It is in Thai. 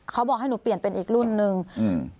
เขาบอกให้หนูเปลี่ยนเป็นอีกรุ่นหนึ่งอืม